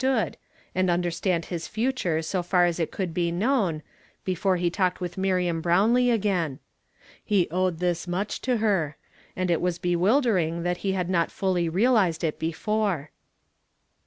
TTe od, and understand his future so far as it could be known, before he talked with Miriam Brownlee again. He owed thus much to lier, and it was bewildering, that he had lot fully realized it before.